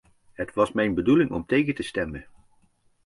Het was mijn bedoeling om tegen te stemmen.